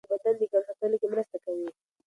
نسواري وازګې د بدن ګرم ساتلو کې مرسته کوي.